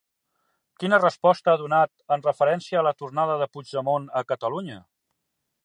Quina resposta ha donat en referència a la tornada de Puigdemont a Catalunya?